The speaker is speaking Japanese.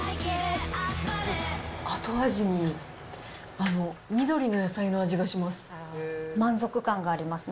後味に緑の野菜の味がします。